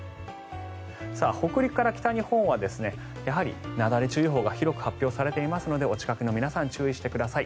北陸から北日本はやはり、なだれ注意報が広く発表されていますのでお近くの皆さん注意してください。